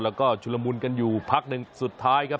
แล้วก็ชุลมุนกันอยู่พักหนึ่งสุดท้ายครับ